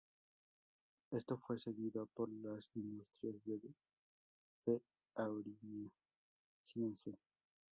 Esto fue seguido por las industrias de de auriñaciense.